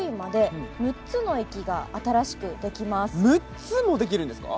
６つも出来るんですか？